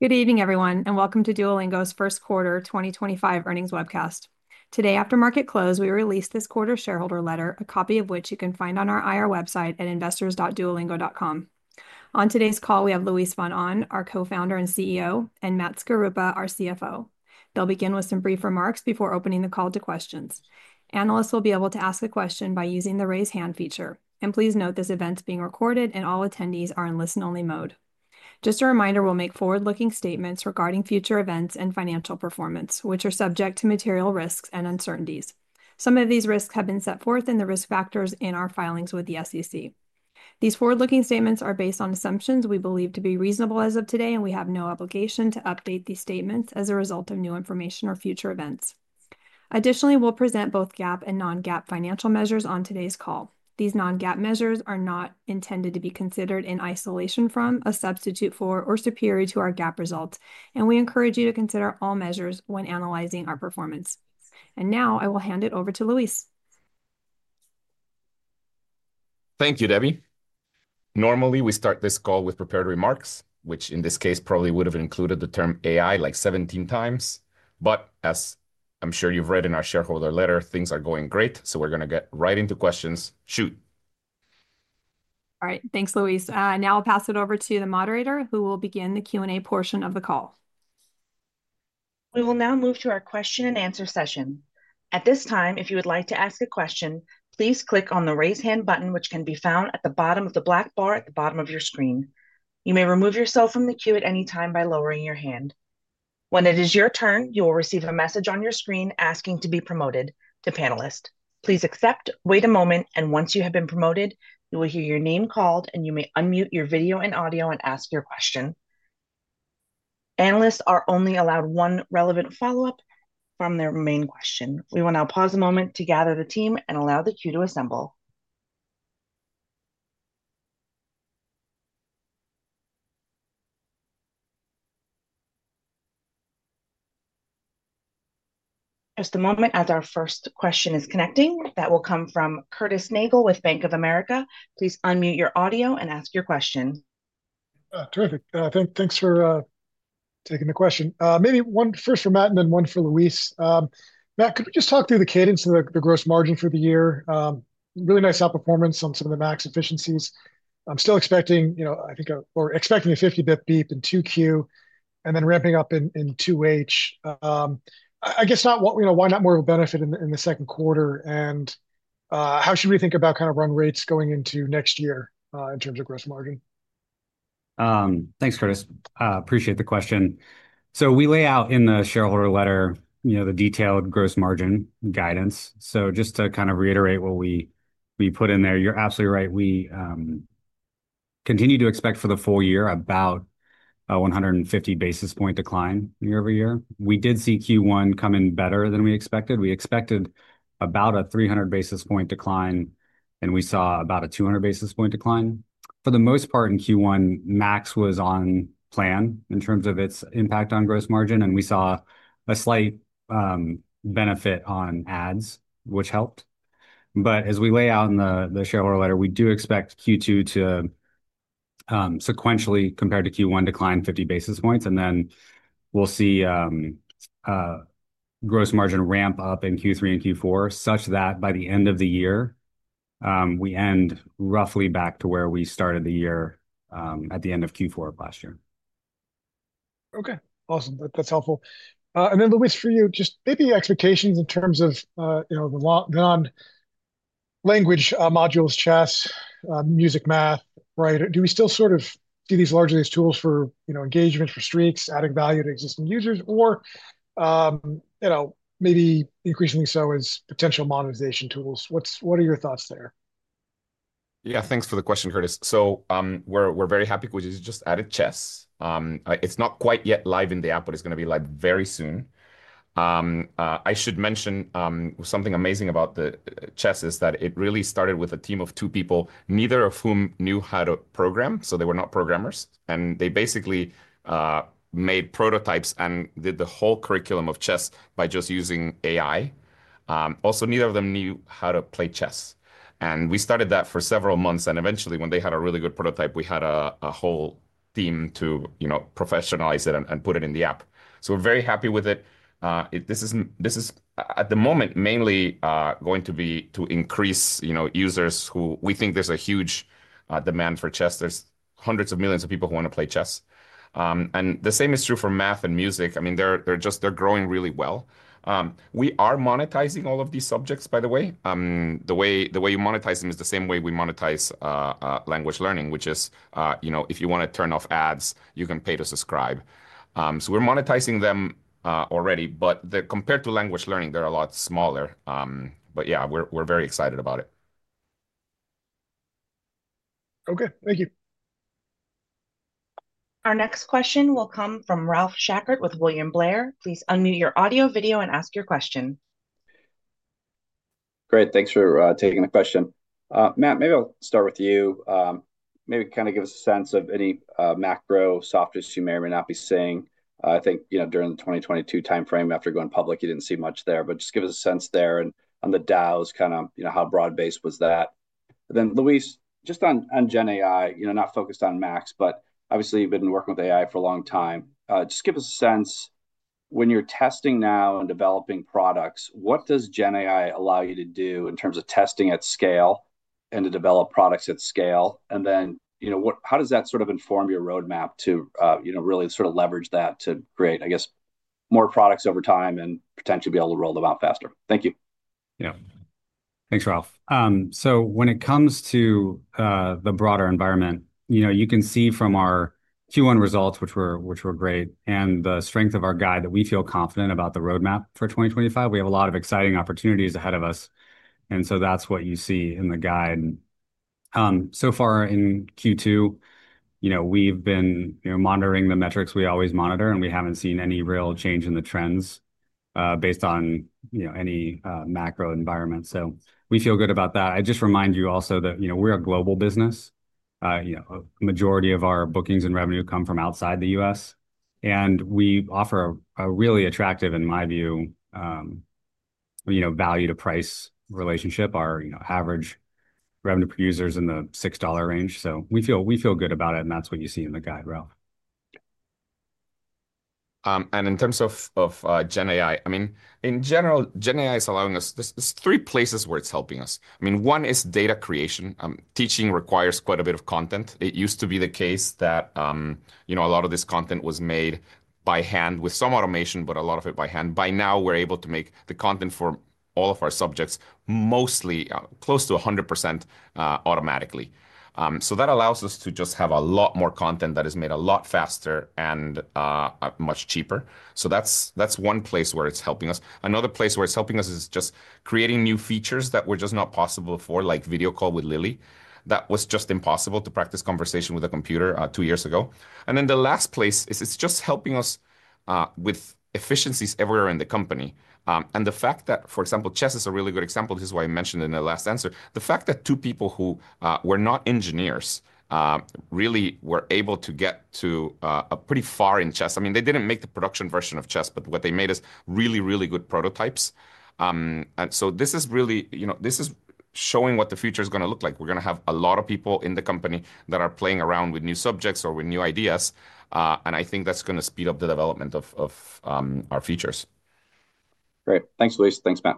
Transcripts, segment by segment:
Good evening, everyone, and welcome to Duolingo's First Quarter 2025 earnings webcast. Today, after market close, we released this quarter's shareholder letter, a copy of which you can find on our IR website at investors.duolingo.com. On today's call, we have Luis von Ahn, our Co-founder and CEO, and Matthew Skaruppa, our CFO. They'll begin with some brief remarks before opening the call to questions. Analysts will be able to ask a question by using the raise hand feature. Please note this event is being recorded, and all attendees are in listen-only mode. Just a reminder, we'll make forward-looking statements regarding future events and financial performance, which are subject to material risks and uncertainties. Some of these risks have been set forth in the risk factors in our filings with the SEC. These forward-looking statements are based on assumptions we believe to be reasonable as of today, and we have no obligation to update these statements as a result of new information or future events. Additionally, we will present both GAAP and non-GAAP financial measures on today's call. These non-GAAP measures are not intended to be considered in isolation from, a substitute for, or superior to our GAAP results, and we encourage you to consider all measures when analyzing our performance. I will hand it over to Luis. Thank you, Debbie. Normally, we start this call with prepared remarks, which in this case probably would have included the term AI like 17 times. As I'm sure you've read in our shareholder letter, things are going great, so we're going to get right into questions. Shoot. All right, thanks, Luis. Now I'll pass it over to the moderator, who will begin the Q&A portion of the call. We will now move to our question and answer session. At this time, if you would like to ask a question, please click on the raise hand button, which can be found at the bottom of the black bar at the bottom of your screen. You may remove yourself from the queue at any time by lowering your hand. When it is your turn, you will receive a message on your screen asking to be promoted to panelist. Please accept, wait a moment, and once you have been promoted, you will hear your name called, and you may unmute your video and audio and ask your question. Analysts are only allowed one relevant follow-up from their main question. We will now pause a moment to gather the team and allow the queue to assemble. Just a moment as our first question is connecting. That will come from Curtis Nagle with Bank of America. Please unmute your audio and ask your question. Terrific. Thanks for taking the question. Maybe one first for Matt and then one for Luis. Matt, could we just talk through the cadence of the gross margin for the year? Really nice outperformance on some of the Max efficiencies. I'm still expecting, you know, I think, or expecting a 50 bp beat in Q2 and then ramping up in Q2. I guess not what, you know, why not more of a benefit in the second quarter? And how should we think about kind of run rates going into next year in terms of gross margin? Thanks, Curtis. Appreciate the question. As we lay out in the shareholder letter, you know, the detailed gross margin guidance. Just to kind of reiterate what we put in there, you're absolutely right. We continue to expect for the full year about a 150 bp decline year over year. We did see Q1 come in better than we expected. We expected about a 300 bp decline, and we saw about a 200 bp decline. For the most part in Q1, Max was on plan in terms of its impact on gross margin, and we saw a slight benefit on ads, which helped. As we lay out in the shareholder letter, we do expect Q2 to sequentially, compared to Q1, decline 50 bps, and then we'll see gross margin ramp up in Q3 and Q4 such that by the end of the year, we end roughly back to where we started the year at the end of Q4 of last year. Okay, awesome. That's helpful. Luis, for you, just maybe expectations in terms of, you know, the non-language modules, chess, music, math, right? Do we still sort of see these largely as tools for, you know, engagement, for streaks, adding value to existing users, or, you know, maybe increasingly so as potential monetization tools? What are your thoughts there? Yeah, thanks for the question, Curtis. We're very happy because we just added chess. It's not quite yet live in the app, but it's going to be live very soon. I should mention something amazing about the chess is that it really started with a team of two people, neither of whom knew how to program, so they were not programmers. They basically made prototypes and did the whole curriculum of chess by just using AI. Also, neither of them knew how to play chess. We started that for several months, and eventually, when they had a really good prototype, we had a whole team to, you know, professionalize it and put it in the app. We're very happy with it. This is, at the moment, mainly going to be to increase, you know, users who we think there's a huge demand for chess. are hundreds of millions of people who want to play chess. I mean, the same is true for math and music. They're just, they're growing really well. We are monetizing all of these subjects, by the way. The way you monetize them is the same way we monetize language learning, which is, you know, if you want to turn off ads, you can pay to subscribe. We are monetizing them already, but compared to language learning, they are a lot smaller. Yeah, we are very excited about it. Okay, thank you. Our next question will come from Ralph Schackart with William Blair. Please unmute your audio, video, and ask your question. Great. Thanks for taking the question. Matt, maybe I'll start with you. Maybe kind of give us a sense of any macro softness you may or may not be seeing. I think, you know, during the 2022 timeframe, after going public, you didn't see much there, but just give us a sense there and on the DAUs, kind of, you know, how broad-based was that? Then, Luis, just on GenAI, you know, not focused on Max, but obviously you've been working with AI for a long time. Just give us a sense when you're testing now and developing products, what does GenAI allow you to do in terms of testing at scale and to develop products at scale? You know, how does that sort of inform your roadmap to, you know, really sort of leverage that to create, I guess, more products over time and potentially be able to roll them out faster? Thank you. Yeah, thanks, Ralph. When it comes to the broader environment, you know, you can see from our Q1 results, which were great, and the strength of our guide that we feel confident about the roadmap for 2025. We have a lot of exciting opportunities ahead of us. That is what you see in the guide. So far in Q2, you know, we've been monitoring the metrics we always monitor, and we haven't seen any real change in the trends based on, you know, any macro environment. We feel good about that. I just remind you also that, you know, we're a global business. You know, a majority of our bookings and revenue come from outside the U.S. We offer a really attractive, in my view, you know, value-to-price relationship. Our average revenue per user is in the $6 range. We feel good about it, and that's what you see in the guide, Ralph. In terms of GenAI, I mean, in general, GenAI is allowing us, there are three places where it's helping us. I mean, one is data creation. Teaching requires quite a bit of content. It used to be the case that, you know, a lot of this content was made by hand with some automation, but a lot of it by hand. By now, we're able to make the content for all of our subjects mostly close to 100% automatically. That allows us to just have a lot more content that is made a lot faster and much cheaper. That is one place where it's helping us. Another place where it's helping us is just creating new features that were just not possible before, like Video Call with Lily. That was just impossible to practice conversation with a computer two years ago. The last place is it's just helping us with efficiencies everywhere in the company. The fact that, for example, chess is a really good example, this is why I mentioned it in the last answer. The fact that two people who were not engineers really were able to get to a pretty far in chess. I mean, they didn't make the production version of chess, but what they made is really, really good prototypes. This is really, you know, this is showing what the future is going to look like. We're going to have a lot of people in the company that are playing around with new subjects or with new ideas. I think that's going to speed up the development of our features. Great. Thanks, Luis. Thanks, Matt.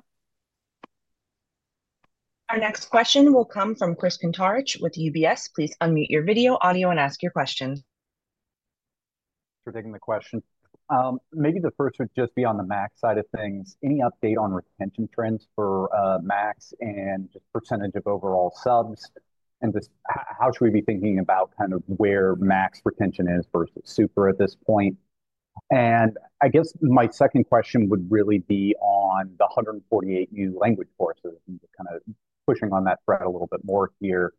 Our next question will come from Chris Kuntarich with UBS. Please unmute your video, audio, and ask your question. Thanks for taking the question. Maybe the first would just be on the Max side of things. Any update on retention trends for Max and just percentage of overall subs? Just how should we be thinking about kind of where Max retention is versus Super at this point? I guess my second question would really be on the 148 new language courses and just kind of pushing on that thread a little bit more here.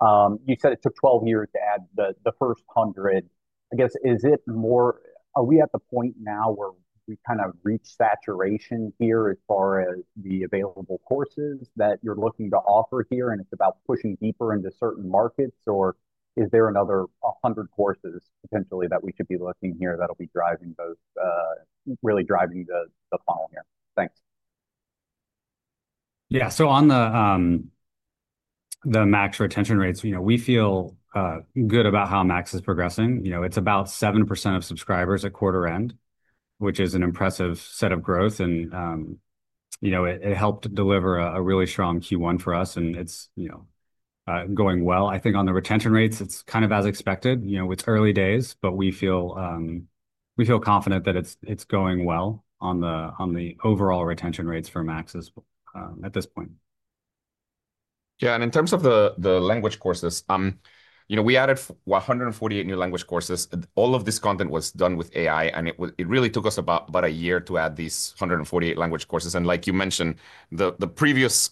You said it took 12 years to add the first 100. I guess, is it more, are we at the point now where we kind of reach saturation here as far as the available courses that you're looking to offer here? It's about pushing deeper into certain markets, or is there another 100 courses potentially that we should be looking here that'll be driving those, really driving the funnel here? Thanks. Yeah, so on the max retention rates, you know, we feel good about how Max is progressing. You know, it's about 7% of subscribers at quarter end, which is an impressive set of growth. You know, it helped deliver a really strong Q1 for us, and it's, you know, going well. I think on the retention rates, it's kind of as expected. You know, it's early days, but we feel confident that it's going well on the overall retention rates for Max at this point. Yeah, and in terms of the language courses, you know, we added 148 new language courses. All of this content was done with AI, and it really took us about a year to add these 148 language courses. Like you mentioned, the previous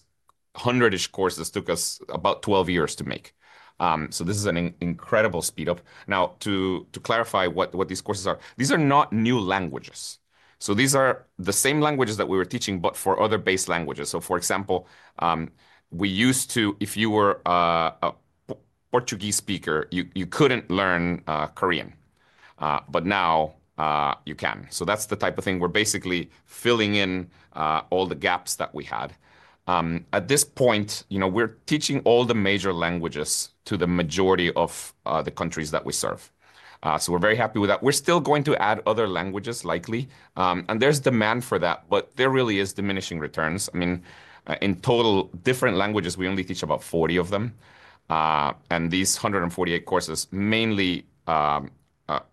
hundred-ish courses took us about 12 years to make. This is an incredible speed up. Now, to clarify what these courses are, these are not new languages. These are the same languages that we were teaching, but for other base languages. For example, we used to, if you were a Portuguese speaker, you could not learn Korean. Now you can. That is the type of thing. We are basically filling in all the gaps that we had. At this point, you know, we are teaching all the major languages to the majority of the countries that we serve. We are very happy with that. We're still going to add other languages likely, and there's demand for that, but there really is diminishing returns. I mean, in total, different languages, we only teach about 40 of them. And these 148 courses mainly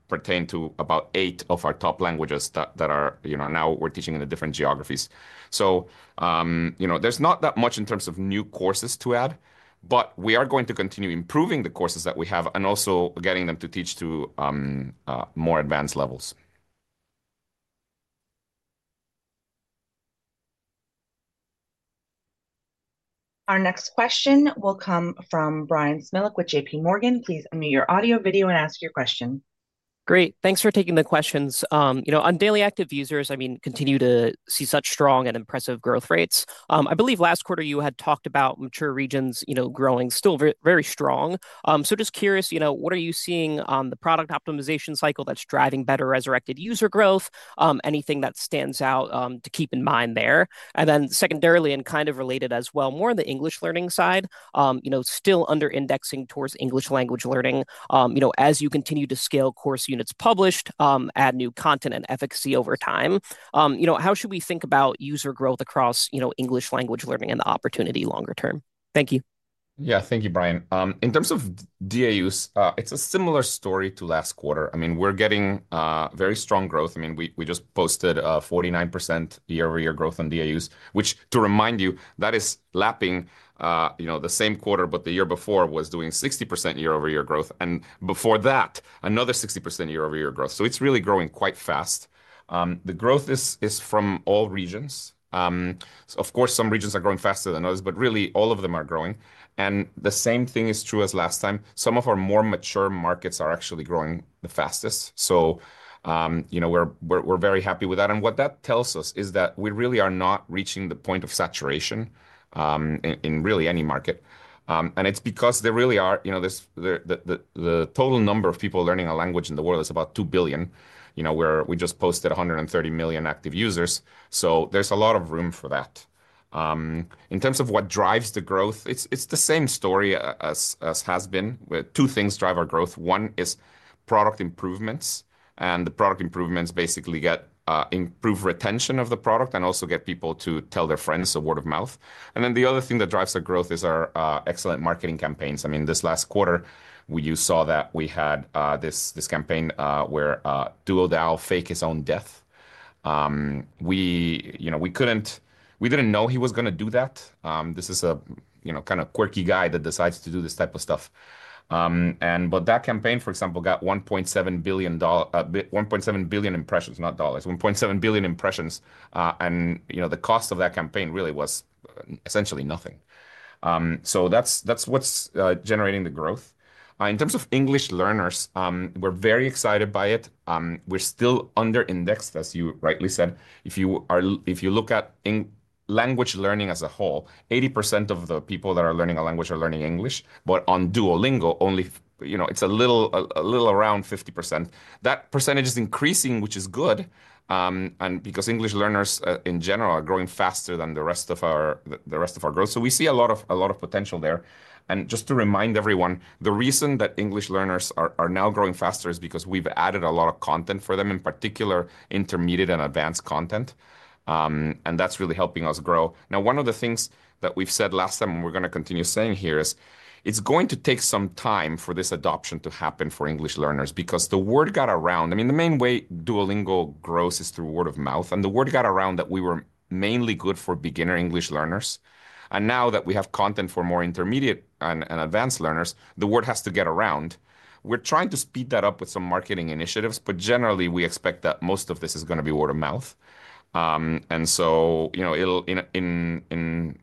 pertain to about eight of our top languages that are now we're teaching in the different geographies. You know, there's not that much in terms of new courses to add, but we are going to continue improving the courses that we have and also getting them to teach to more advanced levels. Our next question will come from Bryan Smilek with JPMorgan. Please unmute your audio, video, and ask your question. Great. Thanks for taking the questions. You know, on daily active users, I mean, continue to see such strong and impressive growth rates. I believe last quarter you had talked about mature regions, you know, growing still very strong. Just curious, you know, what are you seeing on the product optimization cycle that's driving better resurrected user growth? Anything that stands out to keep in mind there? Secondarily, and kind of related as well, more on the English learning side, you know, still under indexing towards English language learning, you know, as you continue to scale course units published, add new content and efficacy over time, you know, how should we think about user growth across, you know, English language learning and the opportunity longer term? Thank you. Yeah, thank you, Brian. In terms of DAUs, it's a similar story to last quarter. I mean, we're getting very strong growth. I mean, we just posted a 49% year-over-year growth on DAUs, which, to remind you, that is lapping, you know, the same quarter, but the year before was doing 60% year-over-year growth. And before that, another 60% year-over-year growth. It is really growing quite fast. The growth is from all regions. Of course, some regions are growing faster than others, but really all of them are growing. The same thing is true as last time. Some of our more mature markets are actually growing the fastest. You know, we're very happy with that. What that tells us is that we really are not reaching the point of saturation in really any market. It is because there really are, you know, the total number of people learning a language in the world is about two billion, you know, where we just posted 130 million active users. There is a lot of room for that. In terms of what drives the growth, it is the same story as has been. Two things drive our growth. One is product improvements. The product improvements basically get improved retention of the product and also get people to tell their friends, a word of mouth. The other thing that drives our growth is our excellent marketing campaigns. I mean, this last quarter, we saw that we had this campaign where Duo faked his own death. We, you know, we could not, we did not know he was going to do that. This is a, you know, kind of quirky guy that decides to do this type of stuff. That campaign, for example, got 1.7 billion impressions, not dollars, 1.7 billion impressions. You know, the cost of that campaign really was essentially nothing. That is what is generating the growth. In terms of English learners, we are very excited by it. We are still under indexed, as you rightly said. If you look at language learning as a whole, 80% of the people that are learning a language are learning English, but on Duolingo, only, you know, it is a little around 50%. That percentage is increasing, which is good. Because English learners in general are growing faster than the rest of our growth, we see a lot of potential there. Just to remind everyone, the reason that English learners are now growing faster is because we have added a lot of content for them, in particular intermediate and advanced content. That is really helping us grow. Now, one of the things that we've said last time, and we're going to continue saying here, is it's going to take some time for this adoption to happen for English learners because the word got around. I mean, the main way Duolingo grows is through word of mouth. The word got around that we were mainly good for beginner English learners. Now that we have content for more intermediate and advanced learners, the word has to get around. We're trying to speed that up with some marketing initiatives, but generally, we expect that most of this is going to be word of mouth. You know, in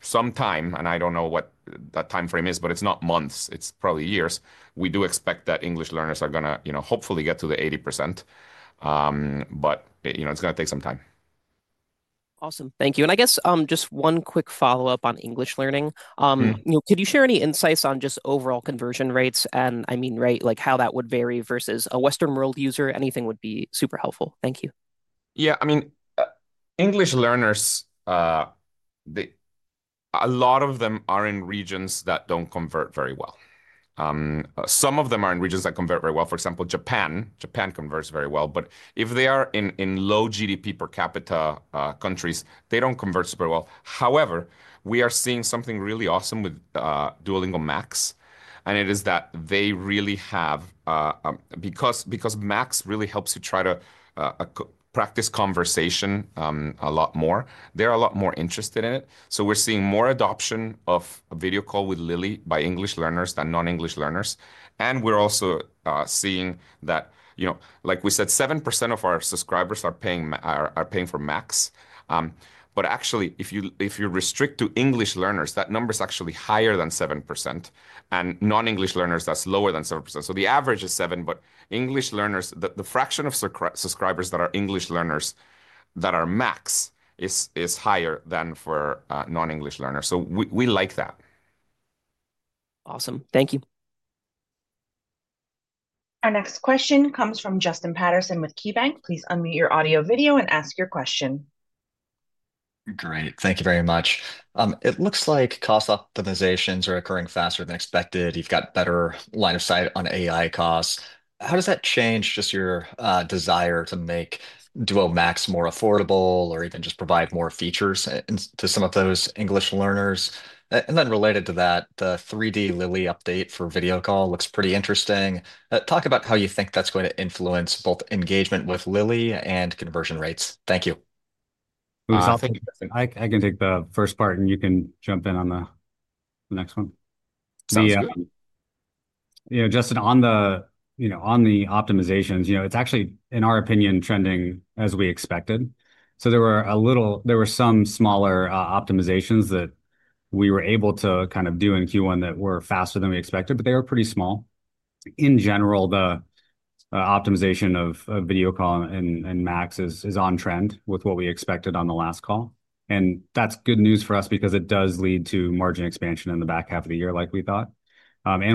some time, and I don't know what that timeframe is, but it's not months, it's probably years, we do expect that English learners are going to, you know, hopefully get to the 80%. You know, it's going to take some time. Awesome. Thank you. I guess just one quick follow-up on English learning. You know, could you share any insights on just overall conversion rates? I mean, right, like how that would vary versus a Western world user? Anything would be super helpful. Thank you. Yeah, I mean, English learners, a lot of them are in regions that do not convert very well. Some of them are in regions that convert very well. For example, Japan, Japan converts very well. If they are in low GDP per capita countries, they do not convert super well. However, we are seeing something really awesome with Duolingo Max. It is that they really have, because Max really helps you try to practice conversation a lot more, they are a lot more interested in it. We are seeing more adoption of a Video Call with Lily by English learners than non-English learners. We are also seeing that, you know, like we said, 7% of our subscribers are paying for Max. Actually, if you restrict to English learners, that number is actually higher than 7%. Non-English learners, that is lower than 7%. The average is 7%, but English learners, the fraction of subscribers that are English learners that are Max is higher than for non-English learners. We like that. Awesome. Thank you. Our next question comes from Justin Patterson with KeyBanc. Please unmute your audio, video, and ask your question. Great. Thank you very much. It looks like cost optimizations are occurring faster than expected. You've got better line of sight on AI costs. How does that change just your desire to make Duo Max more affordable or even just provide more features to some of those English learners? Related to that, the 3D Lily update for Video Call looks pretty interesting. Talk about how you think that's going to influence both engagement with Lily and conversion rates. Thank you. I can take the first part, and you can jump in on the next one. Thanks, Justin. You know, Justin, on the, you know, on the optimizations, you know, it's actually, in our opinion, trending as we expected. There were a little, there were some smaller optimizations that we were able to kind of do in Q1 that were faster than we expected, but they were pretty small. In general, the optimization of Video Call and Max is on trend with what we expected on the last call. That is good news for us because it does lead to margin expansion in the back half of the year like we thought.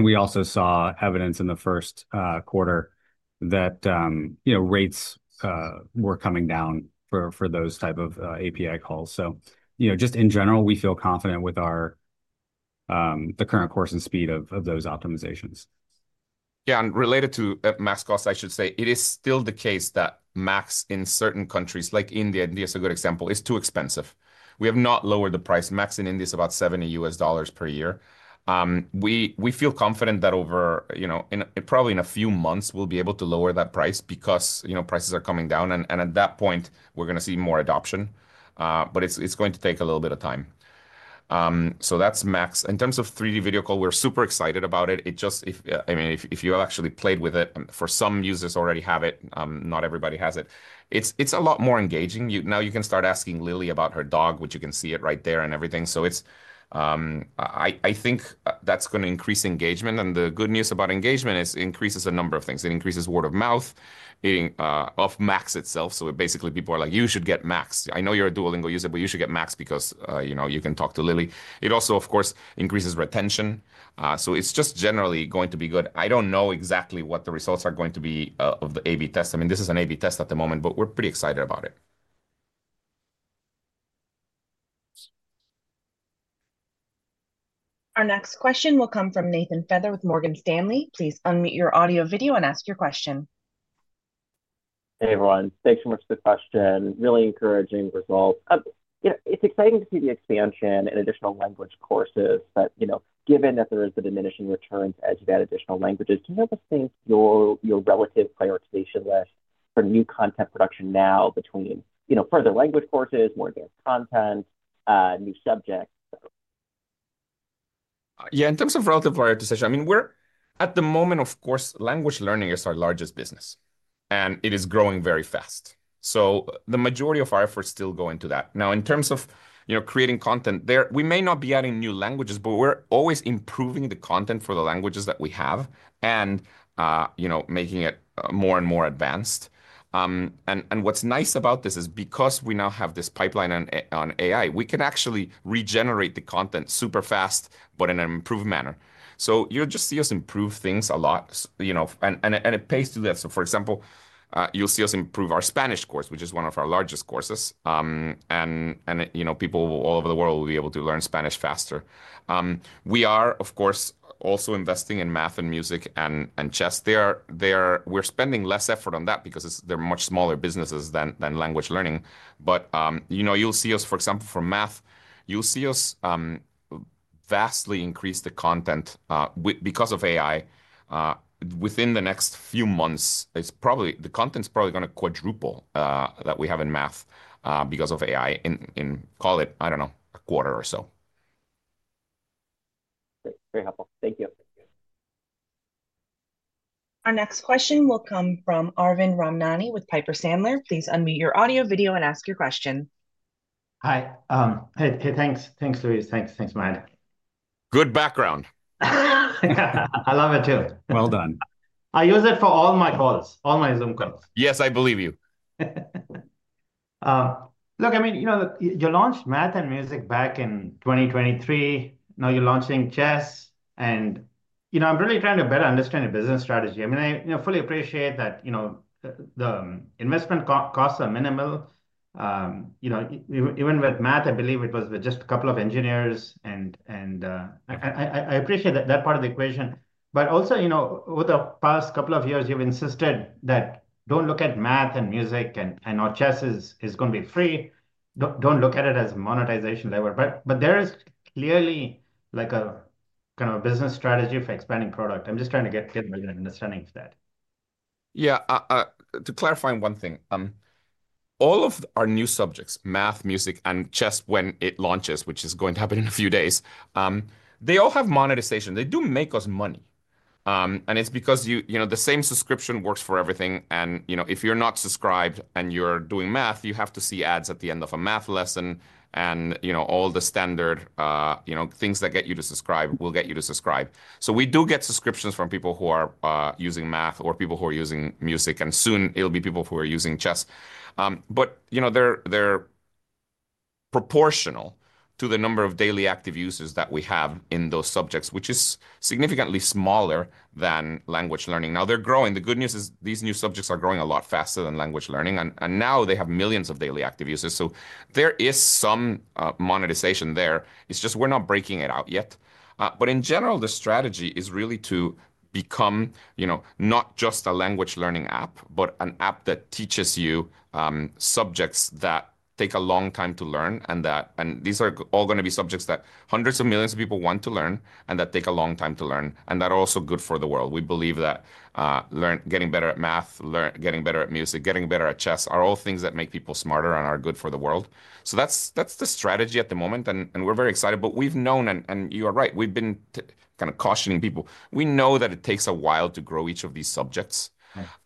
We also saw evidence in the first quarter that, you know, rates were coming down for those type of API calls. You know, just in general, we feel confident with the current course and speed of those optimizations. Yeah, and related to Max costs, I should say, it is still the case that Max in certain countries, like India, India is a good example, is too expensive. We have not lowered the price. Max in India is about $70 per year. We feel confident that over, you know, probably in a few months, we'll be able to lower that price because, you know, prices are coming down. At that point, we're going to see more adoption. It's going to take a little bit of time. That's Max. In terms of 3D Video Call, we're super excited about it. I mean, if you have actually played with it, some users already have it, not everybody has it. It's a lot more engaging. Now you can start asking Lily about her dog, which you can see it right there and everything. I think that's going to increase engagement. The good news about engagement is it increases a number of things. It increases word of mouth of Max itself. Basically, people are like, you should get Max. I know you're a Duolingo user, but you should get Max because, you know, you can talk to Lily. It also, of course, increases retention. It's just generally going to be good. I don't know exactly what the results are going to be of the A/B test. I mean, this is an A/B test at the moment, but we're pretty excited about it. Our next question will come from Nathan Feather with Morgan Stanley. Please unmute your audio, video, and ask your question. Hey, everyone. Thanks so much for the question. Really encouraging results. You know, it's exciting to see the expansion in additional language courses, but, you know, given that there is the diminishing returns as you add additional languages, do you have a think your relative prioritization list for new content production now between, you know, further language courses, more advanced content, new subjects? Yeah, in terms of relative prioritization, I mean, we're at the moment, of course, language learning is our largest business. And it is growing very fast. So the majority of our efforts still go into that. Now, in terms of, you know, creating content there, we may not be adding new languages, but we're always improving the content for the languages that we have and, you know, making it more and more advanced. What's nice about this is because we now have this pipeline on AI, we can actually regenerate the content super fast, but in an improved manner. You'll just see us improve things a lot, you know, and it pays to do that. For example, you'll see us improve our Spanish course, which is one of our largest courses. And, you know, people all over the world will be able to learn Spanish faster. We are, of course, also investing in math and music and chess. We're spending less effort on that because they're much smaller businesses than language learning. But, you know, you'll see us, for example, for math, you'll see us vastly increase the content because of AI. Within the next few months, the content's probably going to quadruple that we have in math because of AI in, call it, I don't know, a quarter or so. Very helpful. Thank you. Our next question will come from Arvind Ramnani with Piper Sandler. Please unmute your audio, video, and ask your question. Hi. Hey, thanks. Thanks, Luis. Thanks, Bryan. Good background. I love it too. Well done. I use it for all my calls, all my Zoom calls. Yes, I believe you. Look, I mean, you know, you launched Math and Music back in 2023. Now you're launching chess. And, you know, I'm really trying to better understand your business strategy. I mean, I fully appreciate that, you know, the investment costs are minimal. You know, even with Math, I believe it was with just a couple of engineers. And I appreciate that part of the equation. But also, you know, over the past couple of years, you've insisted that don't look at Math and Music and our chess is going to be free. Don't look at it as monetization lever. But there is clearly like a kind of a business strategy for expanding product. I'm just trying to get clear about your understanding of that. Yeah, to clarify one thing. All of our new subjects, Math, music, and chess when it launches, which is going to happen in a few days, they all have monetization. They do make us money. It is because, you know, the same subscription works for everything. You know, if you're not subscribed and you're doing Math, you have to see ads at the end of a Math lesson. You know, all the standard, you know, things that get you to subscribe will get you to subscribe. We do get subscriptions from people who are using Math or people who are using Music. Soon it will be people who are using chess. You know, they are proportional to the number of daily active users that we have in those subjects, which is significantly smaller than language learning. Now they are growing. The good news is these new subjects are growing a lot faster than language learning. And now they have millions of daily active users. So there is some monetization there. It is just we are not breaking it out yet. In general, the strategy is really to become, you know, not just a language learning app, but an app that teaches you subjects that take a long time to learn. These are all going to be subjects that hundreds of millions of people want to learn and that take a long time to learn. They are also good for the world. We believe that getting better at math, getting better at music, getting better at chess are all things that make people smarter and are good for the world. That is the strategy at the moment. We are very excited. We have known, and you are right, we have been kind of cautioning people. We know that it takes a while to grow each of these subjects.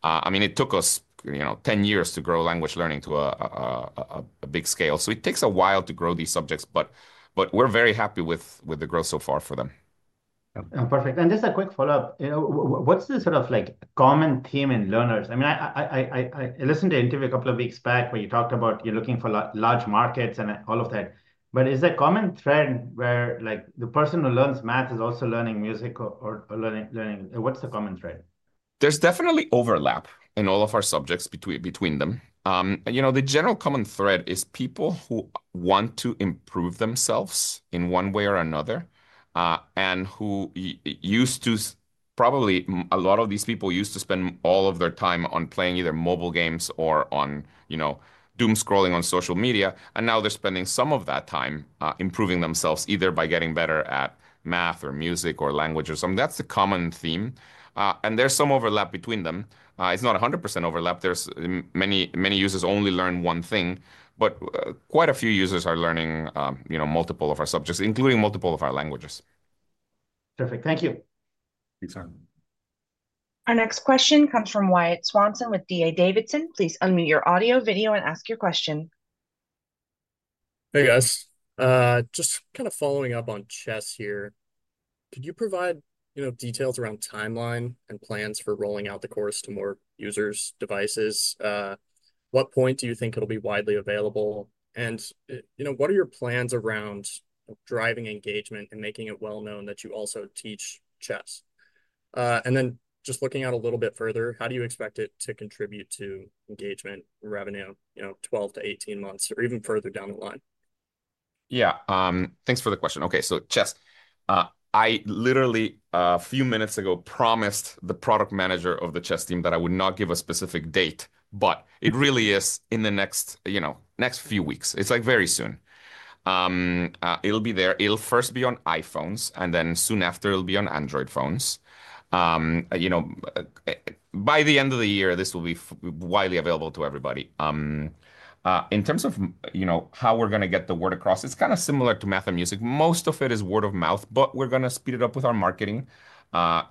I mean, it took us, you know, 10 years to grow language learning to a big scale. It takes a while to grow these subjects. We are very happy with the growth so far for them. Perfect. And just a quick follow-up. What's the sort of like common theme in learners? I mean, I listened to an interview a couple of weeks back where you talked about you're looking for large markets and all of that. But is there a common thread where like the person who learns Math is also learning Music or learning? What's the common thread? There's definitely overlap in all of our subjects between them. You know, the general common thread is people who want to improve themselves in one way or another and who used to, probably a lot of these people used to spend all of their time on playing either mobile games or on, you know, doomscrolling on social media. Now they're spending some of that time improving themselves either by getting better at math or music or language or something. That's the common theme. There's some overlap between them. It's not 100% overlap. There are many users who only learn one thing. Quite a few users are learning, you know, multiple of our subjects, including multiple of our languages. Perfect. Thank you. Thanks, Arvin. Our next question comes from Wyatt Swanson with D.A. Davidson. Please unmute your audio, video, and ask your question. Hey, guys. Just kind of following up on chess here. Could you provide, you know, details around timeline and plans for rolling out the course to more users, devices? What point do you think it'll be widely available? You know, what are your plans around driving engagement and making it well-known that you also teach chess? Just looking out a little bit further, how do you expect it to contribute to engagement revenue, you know, 12 to 18 months or even further down the line? Yeah, thanks for the question. Okay, so chess. I literally, a few minutes ago, promised the product manager of the chess team that I would not give a specific date. It really is in the next, you know, next few weeks. It's like very soon. It'll be there. It'll first be on iPhones. Then soon after, it'll be on Android phones. You know, by the end of the year, this will be widely available to everybody. In terms of, you know, how we're going to get the word across, it's kind of similar to math and music. Most of it is word of mouth, but we're going to speed it up with our marketing.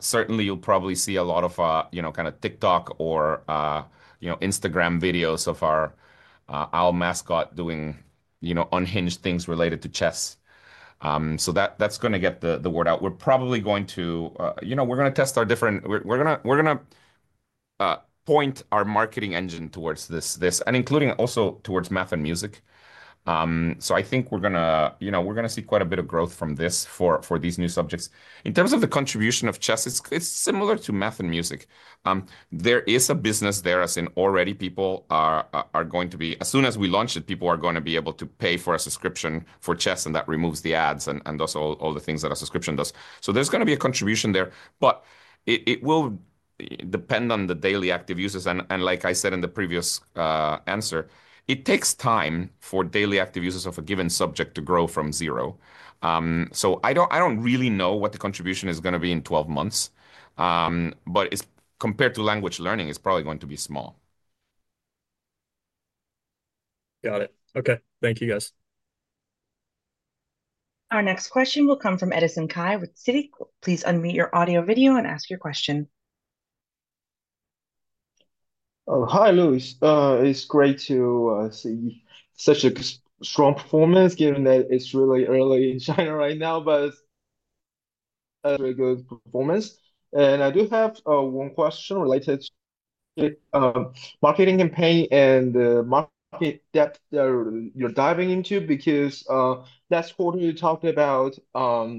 Certainly, you'll probably see a lot of, you know, kind of TikTok or, you know, Instagram videos of our owl mascot doing, you know, unhinged things related to chess. That's going to get the word out. We're probably going to, you know, we're going to test our different, we're going to point our marketing engine towards this, and including also towards Math and Music. I think we're going to, you know, we're going to see quite a bit of growth from this for these new subjects. In terms of the contribution of chess, it's similar to Math and Music. There is a business there as in already people are going to be, as soon as we launch it, people are going to be able to pay for a subscription for chess, and that removes the ads and thus all the things that a subscription does. There's going to be a contribution there. It will depend on the daily active users. Like I said in the previous answer, it takes time for daily active users of a given subject to grow from zero. I don't really know what the contribution is going to be in 12 months. Compared to language learning, it's probably going to be small. Got it. Okay, thank you, guys. Our next question will come from Edison Kai with Citi. Please unmute your audio, video, and ask your question. Hi, Luis. It's great to see such a strong performance given that it's really early in China right now, but it's a very good performance. I do have one question related to marketing campaign and the market that you're diving into because last quarter you talked about how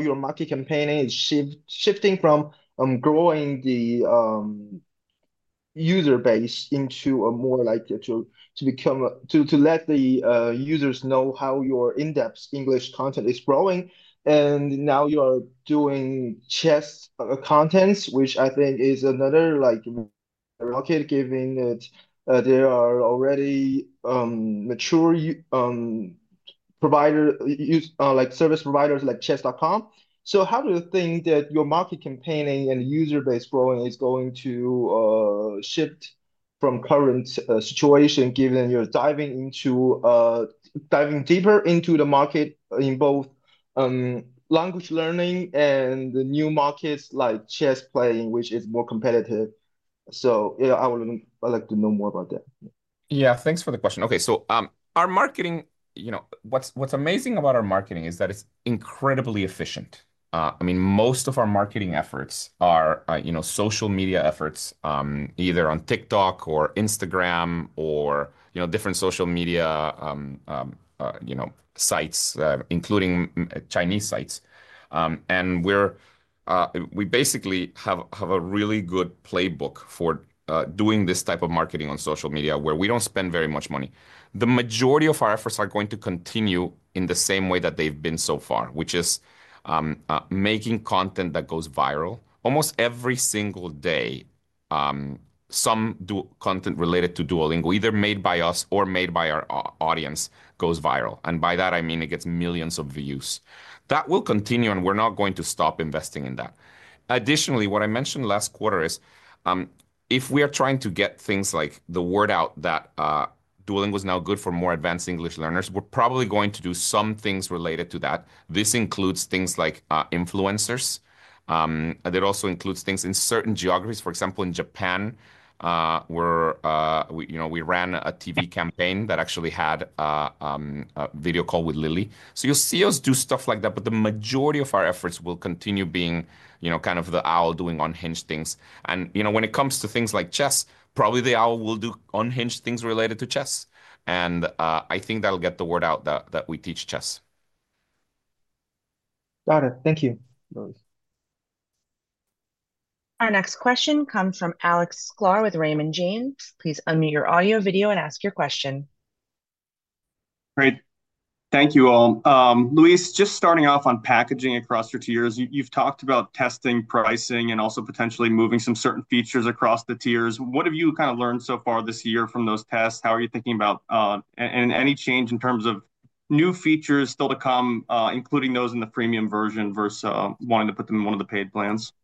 your market campaign is shifting from growing the user base into a more like to let the users know how your in-depth English content is growing. Now you are doing chess contents, which I think is another like market given that there are already mature providers like service providers like Chess.com. How do you think that your market campaigning and user base growing is going to shift from current situation given you're diving deeper into the market in both language learning and new markets like chess playing, which is more competitive? I would like to know more about that. Yeah, thanks for the question. Okay, so our marketing, you know, what's amazing about our marketing is that it's incredibly efficient. I mean, most of our marketing efforts are, you know, social media efforts, either on TikTok or Instagram or, you know, different social media, you know, sites, including Chinese sites. We basically have a really good playbook for doing this type of marketing on social media where we don't spend very much money. The majority of our efforts are going to continue in the same way that they've been so far, which is making content that goes viral almost every single day. Some content related to Duolingo, either made by us or made by our audience, goes viral. By that, I mean it gets millions of views. That will continue, and we're not going to stop investing in that. Additionally, what I mentioned last quarter is if we are trying to get things like the word out that Duolingo is now good for more advanced English learners, we are probably going to do some things related to that. This includes things like influencers. That also includes things in certain geographies. For example, in Japan, where we ran a TV campaign that actually had a Video Call with Lily. You will see us do stuff like that. The majority of our efforts will continue being, you know, kind of the owl doing unhinged things. You know, when it comes to things like chess, probably the owl will do unhinged things related to chess. I think that will get the word out that we teach chess. Got it. Thank you, Luis. Our next question comes from Alex Sklar with Raymond James. Please unmute your audio, video, and ask your question. Great. Thank you all. Luis, just starting off on packaging across your tiers, you've talked about testing, pricing, and also potentially moving some certain features across the tiers. What have you kind of learned so far this year from those tests? How are you thinking about any change in terms of new features still to come, including those in the premium version versus wanting to put them in one of the paid plans?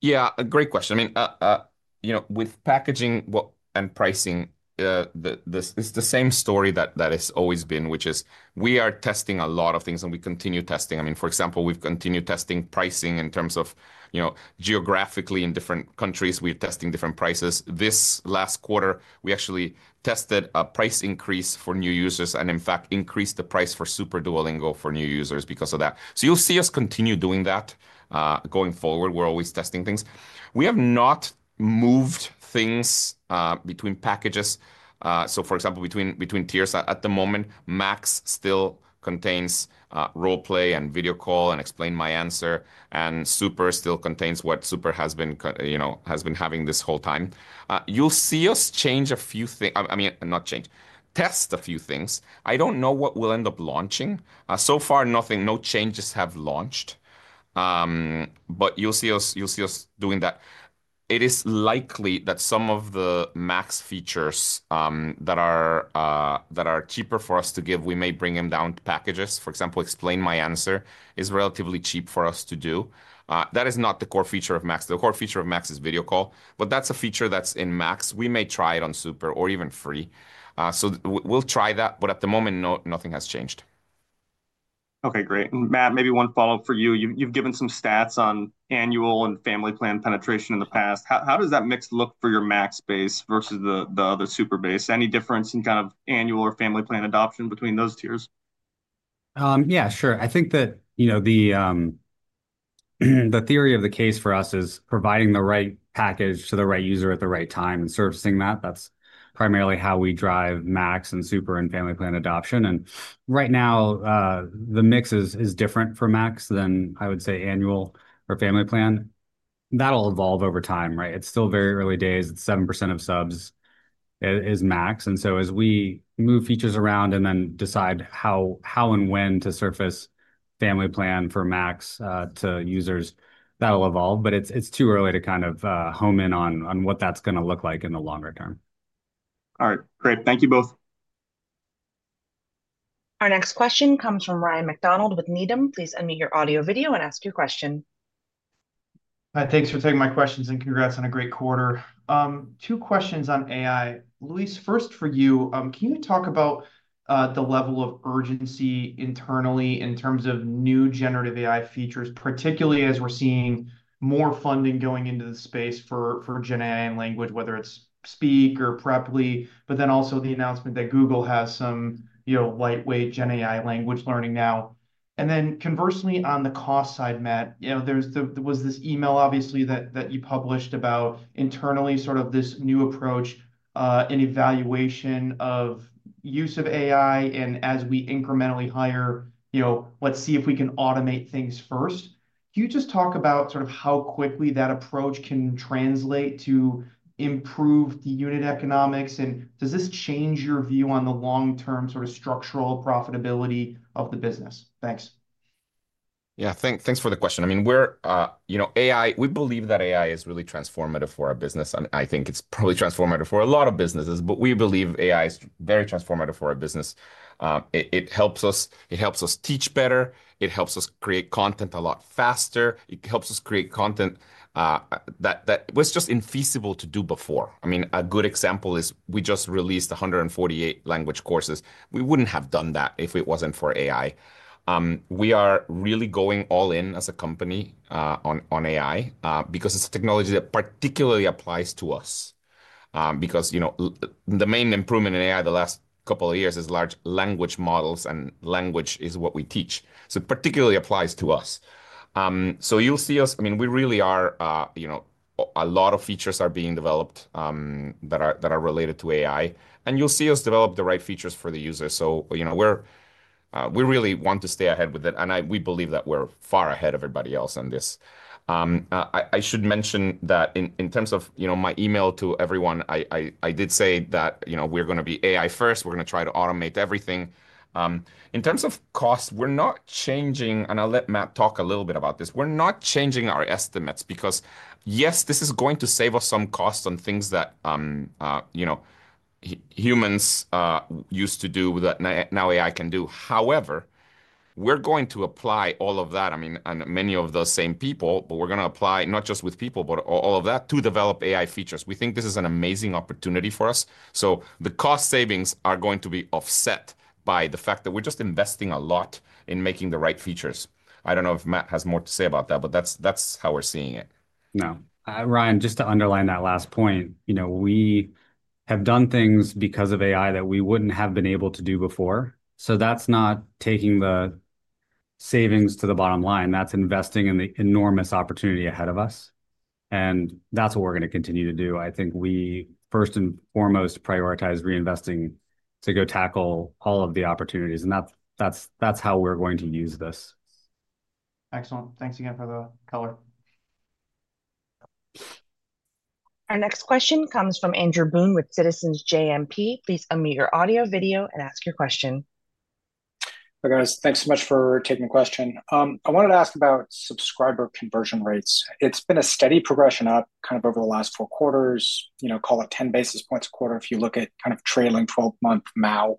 Yeah, great question. I mean, you know, with packaging and pricing, it's the same story that it's always been, which is we are testing a lot of things, and we continue testing. I mean, for example, we've continued testing pricing in terms of, you know, geographically in different countries. We're testing different prices. This last quarter, we actually tested a price increase for new users and, in fact, increased the price for Super Duolingo for new users because of that. You will see us continue doing that going forward. We're always testing things. We have not moved things between packages. For example, between tiers at the moment, Max still contains Roleplay and Video Call and Explain My Answer. Super still contains what Super has been, you know, has been having this whole time. You will see us change a few things. I mean, not change, test a few things. I don't know what we'll end up launching. So far, nothing, no changes have launched. You'll see us doing that. It is likely that some of the Max features that are cheaper for us to give, we may bring them down to packages. For example, Explain My Answer is relatively cheap for us to do. That is not the core feature of Max. The core feature of Max is Video Call. That's a feature that's in Max. We may try it on Super or even free. We'll try that. At the moment, nothing has changed. Okay, great. Matt, maybe one follow-up for you. You've given some stats on annual and family plan penetration in the past. How does that mix look for your Max base versus the other Super base? Any difference in kind of annual or family plan adoption between those tiers? Yeah, sure. I think that, you know, the theory of the case for us is providing the right package to the right user at the right time and servicing that. That's primarily how we drive Max and Super and Family Plan adoption. Right now, the mix is different for Max than, I would say, annual or Family Plan. That'll evolve over time, right? It's still very early days. It's 7% of subs is Max. As we move features around and then decide how and when to surface Family Plan for Max to users, that'll evolve. It's too early to kind of hone in on what that's going to look like in the longer term. All right, great. Thank you both. Our next question comes from Ryan MacDonald with Needham. Please unmute your audio, video, and ask your question. Hi, thanks for taking my questions and congrats on a great quarter. Two questions on AI. Luis, first for you, can you talk about the level of urgency internally in terms of new generative AI features, particularly as we're seeing more funding going into the space for Gen AI and language, whether it's Speak or Preply, but also the announcement that Google has some, you know, lightweight Gen AI language learning now? Conversely, on the cost side, Matt, you know, there was this email, obviously, that you published about internally sort of this new approach in evaluation of use of AI and as we incrementally hire, you know, let's see if we can automate things first. Can you just talk about sort of how quickly that approach can translate to improve the unit economics? Does this change your view on the long-term sort of structural profitability of the business? Thanks. Yeah, thanks for the question. I mean, we're, you know, AI, we believe that AI is really transformative for our business. I think it's probably transformative for a lot of businesses. We believe AI is very transformative for our business. It helps us teach better. It helps us create content a lot faster. It helps us create content that was just infeasible to do before. I mean, a good example is we just released 148 language courses. We wouldn't have done that if it wasn't for AI. We are really going all in as a company on AI because it's a technology that particularly applies to us. You know, the main improvement in AI the last couple of years is large language models, and language is what we teach. It particularly applies to us. You'll see us, I mean, we really are, you know, a lot of features are being developed that are related to AI. You'll see us develop the right features for the users. You know, we really want to stay ahead with it. We believe that we're far ahead of everybody else on this. I should mention that in terms of, you know, my email to everyone, I did say that, you know, we're going to be AI first. We're going to try to automate everything. In terms of cost, we're not changing, and I'll let Matt talk a little bit about this, we're not changing our estimates because, yes, this is going to save us some costs on things that, you know, humans used to do that now AI can do. However, we're going to apply all of that, I mean, and many of those same people, but we're going to apply not just with people, but all of that to develop AI features. We think this is an amazing opportunity for us. The cost savings are going to be offset by the fact that we're just investing a lot in making the right features. I don't know if Matt has more to say about that, but that's how we're seeing it. No. Ryan, just to underline that last point, you know, we have done things because of AI that we would not have been able to do before. That is not taking the savings to the bottom line. That is investing in the enormous opportunity ahead of us. That is what we are going to continue to do. I think we first and foremost prioritize reinvesting to go tackle all of the opportunities. That is how we are going to use this. Excellent. Thanks again for the color. Our next question comes from Andrew Boone with Citizens JMP. Please unmute your audio, video, and ask your question. Hey, guys. Thanks so much for taking the question. I wanted to ask about subscriber conversion rates. It's been a steady progression up kind of over the last four quarters, you know, call it 10 bps a quarter if you look at kind of trailing 12-month MAU.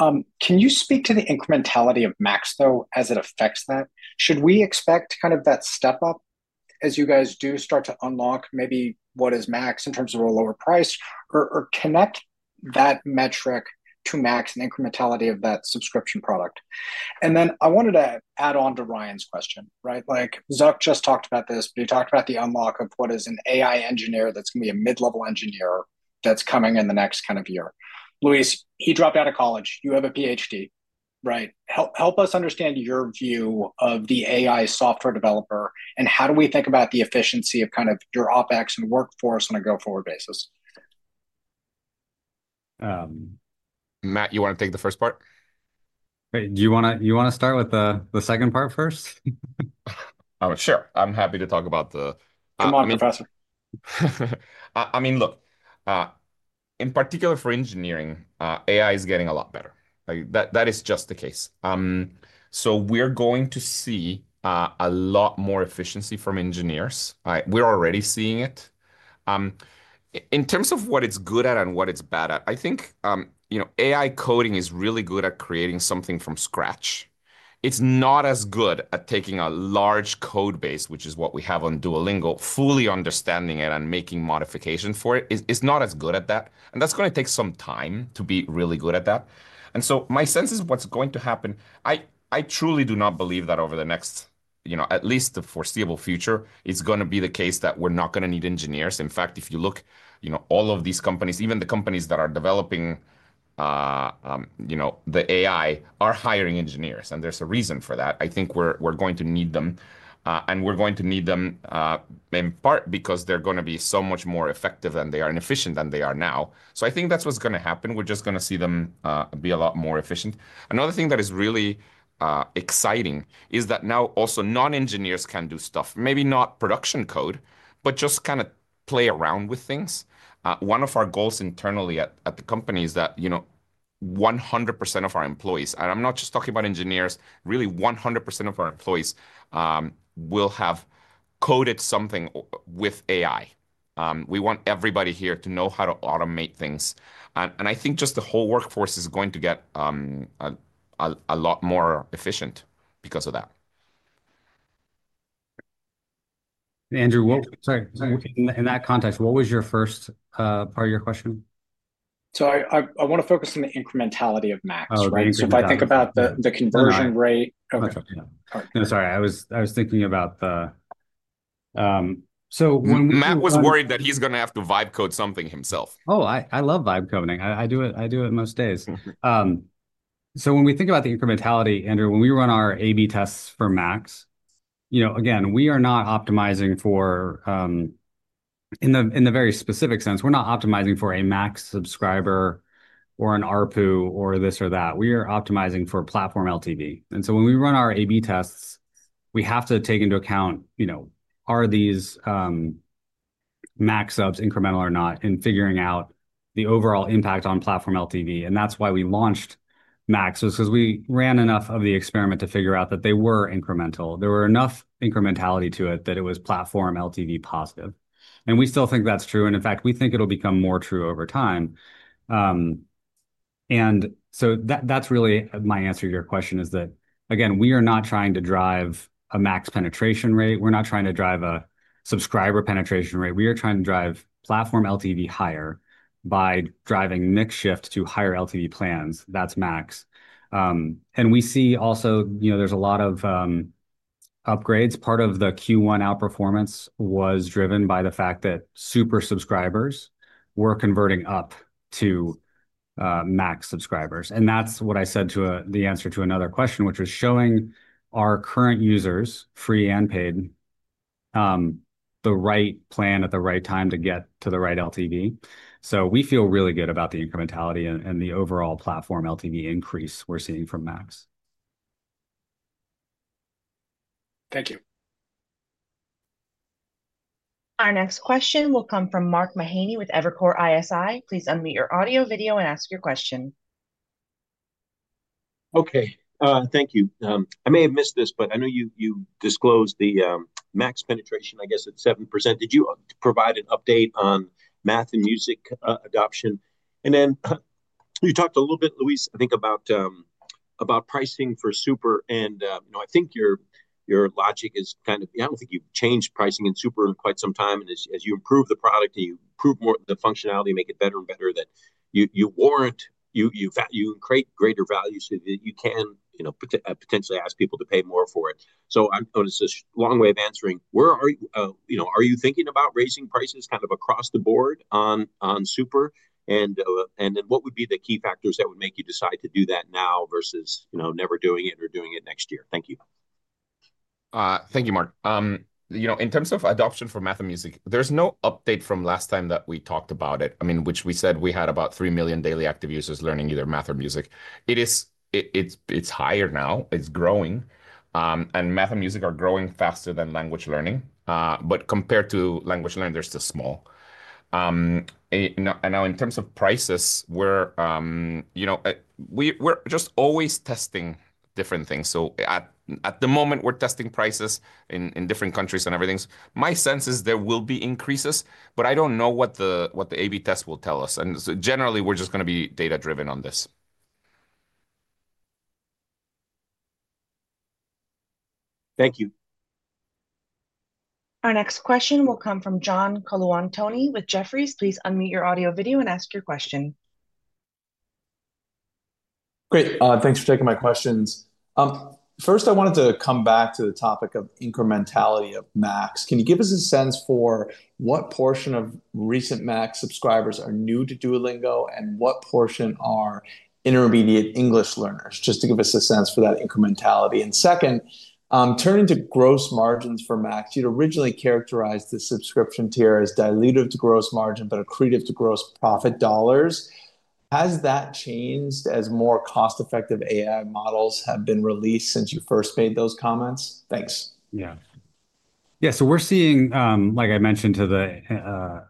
Can you speak to the incrementality of Max, though, as it affects that? Should we expect kind of that step up as you guys do start to unlock maybe what is Max in terms of a lower price or connect that metric to Max and incrementality of that subscription product? I wanted to add on to Ryan's question, right? Like Zuck just talked about this, but he talked about the unlock of what is an AI engineer that's going to be a mid-level engineer that's coming in the next kind of year. Luis, he dropped out of college. You have a PhD, right? Help us understand your view of the AI software developer and how do we think about the efficiency of kind of your OpEx and workforce on a go-forward basis? Matt, you want to take the first part? Do you want to start with the second part first? Oh, sure. I'm happy to talk about the. Come on, Professor. I mean, look, in particular for engineering, AI is getting a lot better. That is just the case. We're going to see a lot more efficiency from engineers. We're already seeing it. In terms of what it's good at and what it's bad at, I think, you know, AI coding is really good at creating something from scratch. It's not as good at taking a large code base, which is what we have on Duolingo, fully understanding it and making modifications for it. It's not as good at that. That is going to take some time to be really good at that. My sense is what's going to happen, I truly do not believe that over the next, you know, at least the foreseeable future, it's going to be the case that we're not going to need engineers. In fact, if you look, you know, all of these companies, even the companies that are developing, you know, the AI are hiring engineers. There is a reason for that. I think we're going to need them. We're going to need them in part because they're going to be so much more effective than they are and efficient than they are now. I think that's what's going to happen. We're just going to see them be a lot more efficient. Another thing that is really exciting is that now also non-engineers can do stuff, maybe not production code, but just kind of play around with things. One of our goals internally at the company is that, you know, 100% of our employees, and I'm not just talking about engineers, really 100% of our employees will have coded something with AI. We want everybody here to know how to automate things. I think just the whole workforce is going to get a lot more efficient because of that. Andrew, in that context, what was your first part of your question? I want to focus on the incrementality of Max, right? If I think about the conversion rate of. Sorry, I was thinking about the. Matt was worried that he's going to have to vibe code something himself. Oh, I love vibe coding. I do it most days. When we think about the incrementality, Andrew, when we run our A/B tests for Max, you know, again, we are not optimizing for, in the very specific sense, we are not optimizing for a Max subscriber or an ARPU or this or that. We are optimizing for platform LTV. When we run our A/B tests, we have to take into account, you know, are these Max subs incremental or not in figuring out the overall impact on platform LTV. That is why we launched Max, because we ran enough of the experiment to figure out that they were incremental. There was enough incrementality to it that it was platform LTV positive. We still think that is true. In fact, we think it will become more true over time. That is really my answer to your question. Again, we are not trying to drive a Max penetration rate. We are not trying to drive a subscriber penetration rate. We are trying to drive platform LTV higher by driving mix shift to higher LTV plans. That is Max. We see also, you know, there is a lot of upgrades. Part of the Q1 outperformance was driven by the fact that Super subscribers were converting up to Max subscribers. That is what I said to the answer to another question, which was showing our current users, free and paid, the right plan at the right time to get to the right LTV. We feel really good about the incrementality and the overall platform LTV increase we are seeing from Max. Thank you. Our next question will come from Mark Mahaney with Evercore ISI. Please unmute your audio, video, and ask your question. Okay. Thank you. I may have missed this, but I know you disclosed the Max penetration, I guess, at 7%. Did you provide an update on Math and Music adoption? You talked a little bit, Luis, I think about pricing for Super. You know, I think your logic is kind of, I do not think you have changed pricing in Super in quite some time. As you improve the product and you improve the functionality, make it better and better, that you warrant, you create greater value so that you can, you know, potentially ask people to pay more for it. I am going to say a long way of answering. You know, are you thinking about raising prices kind of across the board on Super? What would be the key factors that would make you decide to do that now versus, you know, never doing it or doing it next year? Thank you. Thank you, Mark. You know, in terms of adoption for math and music, there's no update from last time that we talked about it, I mean, which we said we had about 3 million daily active users learning either math or music. It's higher now. It's growing. And math and music are growing faster than language learning. But compared to language learning, they're still small. Now in terms of prices, we're, you know, we're just always testing different things. At the moment, we're testing prices in different countries and everything. My sense is there will be increases, but I don't know what the A/B test will tell us. Generally, we're just going to be data-driven on this. Thank you. Our next question will come from John Colantuoni with Jefferies. Please unmute your audio, video, and ask your question. Great. Thanks for taking my questions. First, I wanted to come back to the topic of incrementality of Max. Can you give us a sense for what portion of recent Max subscribers are new to Duolingo and what portion are intermediate English learners, just to give us a sense for that incrementality? Second, turning to gross margins for Max, you'd originally characterized the subscription tier as dilutive to gross margin, but accretive to gross profit dollars. Has that changed as more cost-effective AI models have been released since you first made those comments? Thanks. Yeah. Yeah. So we're seeing, like I mentioned to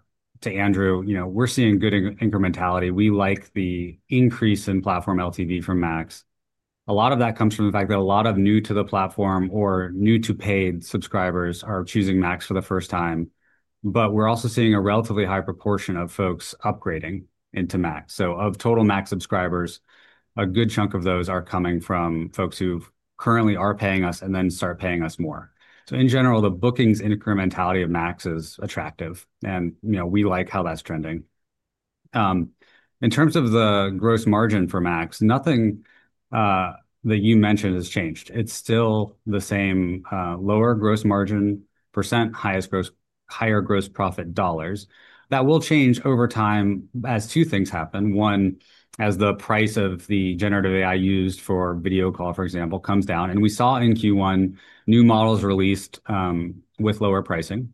Andrew, you know, we're seeing good incrementality. We like the increase in platform LTV from Max. A lot of that comes from the fact that a lot of new-to-the-platform or new-to-pay subscribers are choosing Max for the first time. We are also seeing a relatively high proportion of folks upgrading into Max. So of total Max subscribers, a good chunk of those are coming from folks who currently are paying us and then start paying us more. In general, the bookings incrementality of Max is attractive. You know, we like how that's trending. In terms of the gross margin for Max, nothing that you mentioned has changed. It's still the same lower gross margin %, higher gross profit dollars. That will change over time as two things happen. One, as the price of the generative AI used for Video Call, for example, comes down. We saw in Q1 new models released with lower pricing.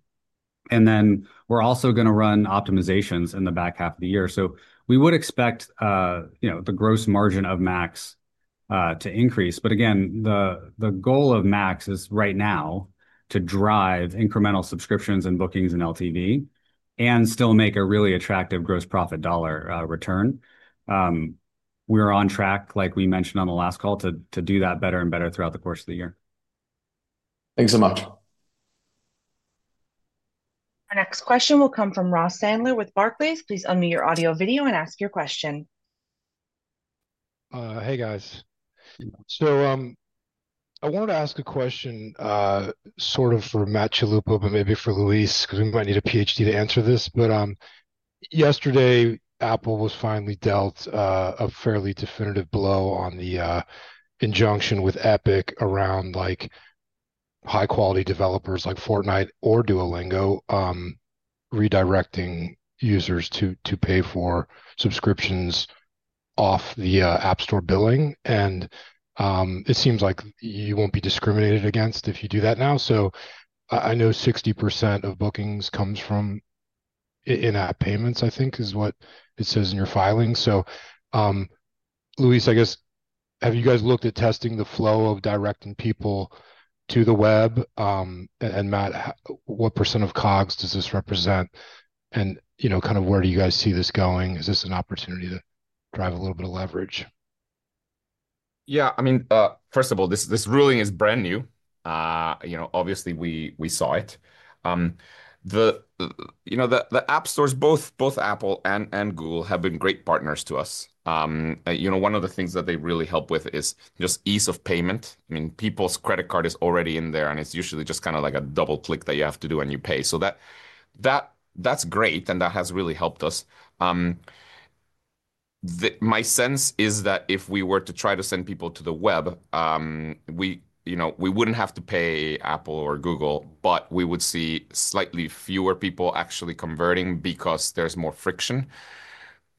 We are also going to run optimizations in the back half of the year. We would expect, you know, the gross margin of Max to increase. Again, the goal of Max is right now to drive incremental subscriptions and bookings and LTV and still make a really attractive gross profit dollar return. We are on track, like we mentioned on the last call, to do that better and better throughout the course of the year. Thanks so much. Our next question will come from Ross Sandler with Barclays. Please unmute your audio, video, and ask your question. Hey, guys. I wanted to ask a question sort of for Matt Skaruppa, but maybe for Luis, because we might need a PhD to answer this. Yesterday, Apple was finally dealt a fairly definitive blow on the injunction with Epic around, like, high-quality developers like Fortnite or Duolingo redirecting users to pay for subscriptions off the App Store billing. It seems like you will not be discriminated against if you do that now. I know 60% of bookings come from in-app payments, I think, is what it says in your filing. Luis, have you guys looked at testing the flow of directing people to the web? Matt, what percent of COGS does this represent? Where do you guys see this going? Is this an opportunity to drive a little bit of leverage? Yeah. I mean, first of all, this ruling is brand new. You know, obviously, we saw it. You know, the App Store, both Apple and Google have been great partners to us. You know, one of the things that they really help with is just ease of payment. I mean, people's credit card is already in there, and it's usually just kind of like a double-click that you have to do when you pay. That is great, and that has really helped us. My sense is that if we were to try to send people to the web, you know, we would not have to pay Apple or Google, but we would see slightly fewer people actually converting because there is more friction.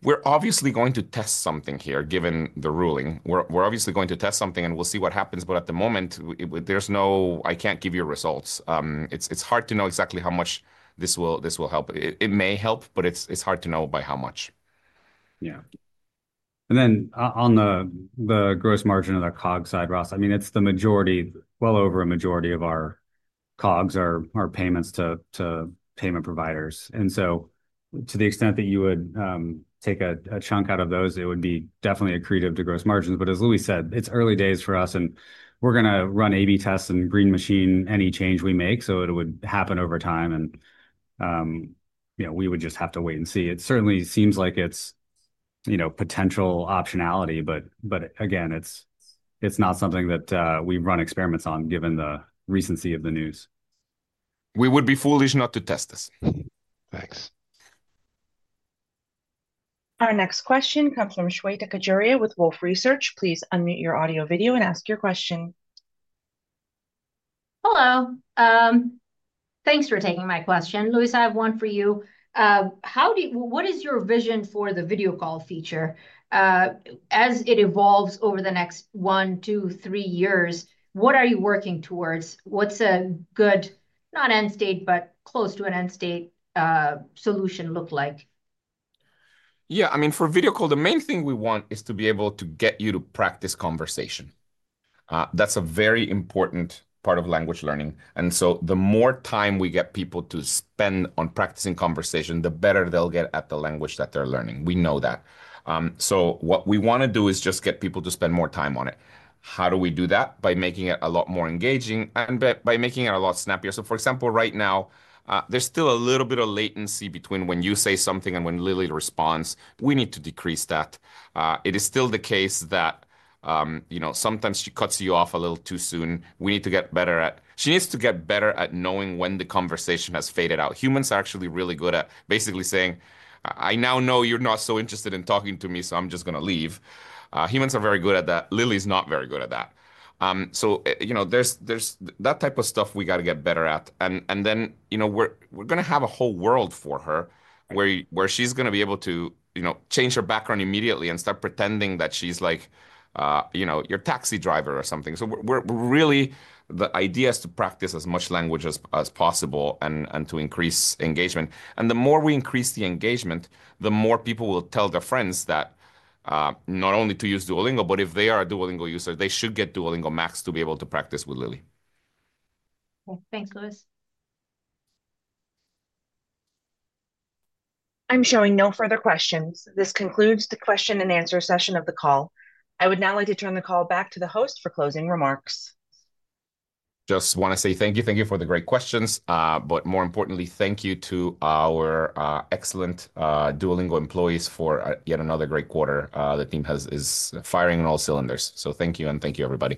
We are obviously going to test something here, given the ruling. We are obviously going to test something, and we will see what happens. At the moment, there's no--I can't give you results. It's hard to know exactly how much this will help. It may help, but it's hard to know by how much. Yeah. And then on the gross margin on the COGS side, Ross, I mean, well over a majority of our COGS are payments to payment providers. To the extent that you would take a chunk out of those, it would be definitely accretive to gross margins. As Luis said, it is early days for us, and we are going to run A/B tests and green-light any change we make. It would happen over time. You know, we would just have to wait and see. It certainly seems like it is, you know, potential optionality. Again, it is not something that we run experiments on, given the recency of the news. We would be foolish not to test this. Thanks. Our next question comes from Shweta Khajuria with Wolfe Research. Please unmute your audio, video, and ask your question. Hello. Thanks for taking my question. Luis, I have one for you. What is your vision for the Video Call feature? As it evolves over the next one, two, three years, what are you working towards? What's a good, not end state, but close to an end state solution look like? Yeah. I mean, for Video Call, the main thing we want is to be able to get you to practice conversation. That's a very important part of language learning. The more time we get people to spend on practicing conversation, the better they'll get at the language that they're learning. We know that. What we want to do is just get people to spend more time on it. How do we do that? By making it a lot more engaging and by making it a lot snappier. For example, right now, there's still a little bit of latency between when you say something and when Lily responds. We need to decrease that. It is still the case that, you know, sometimes she cuts you off a little too soon. We need to get better at—she needs to get better at knowing when the conversation has faded out. Humans are actually really good at basically saying, "I now know you're not so interested in talking to me, so I'm just going to leave." Humans are very good at that. Lily's not very good at that. You know, there's that type of stuff we got to get better at. You know, we're going to have a whole world for her where she's going to be able to, you know, change her background immediately and start pretending that she's like, you know, your taxi driver or something. Really, the idea is to practice as much language as possible and to increase engagement. The more we increase the engagement, the more people will tell their friends that not only to use Duolingo, but if they are a Duolingo user, they should get Duolingo Max to be able to practice with Lily. Thanks, Luis. I'm showing no further questions. This concludes the question and answer session of the call. I would now like to turn the call back to the host for closing remarks. Just want to say thank you. Thank you for the great questions. More importantly, thank you to our excellent Duolingo employees for yet another great quarter. The team is firing on all cylinders. Thank you, everybody.